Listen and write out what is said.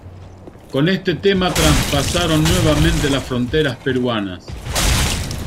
Con este tema traspasaron nuevamente las fronteras peruanas.